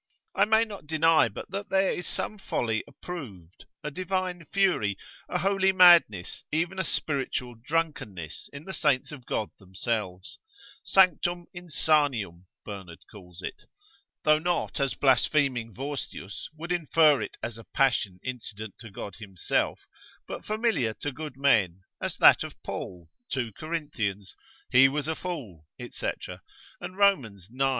I may not deny but that there is some folly approved, a divine fury, a holy madness, even a spiritual drunkenness in the saints of God themselves; sanctum insanium Bernard calls it (though not as blaspheming Vorstius, would infer it as a passion incident to God himself, but) familiar to good men, as that of Paul, 2 Cor. he was a fool, &c. and Rom. ix.